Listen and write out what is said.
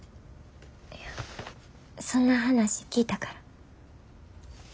いやそんな話聞いたから。